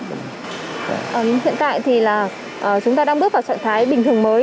hiện tại thì là chúng ta đang bước vào trạng thái bình thường mới